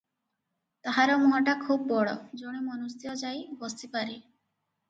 ତାହାର ମୁହଁଟା ଖୁବ୍ ବଡ଼, ଜଣେ ମନୁଷ୍ୟ ଯାଇ ବସିପାରେ ।